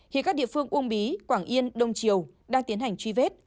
hiện các địa phương uông bí quảng yên đông triều đang tiến hành truy vết